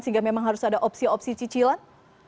sehingga memang harus ada opsi opsi cicilan